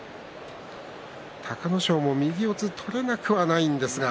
隆の勝も右四つ取れなくはないんですが。